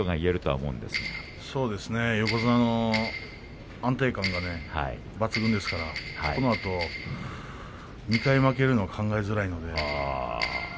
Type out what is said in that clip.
そうですね横綱の安定感が抜群ですからこのあと２回負けるのは考えづらいので。